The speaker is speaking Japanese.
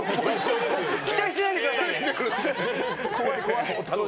期待しないでくださいね。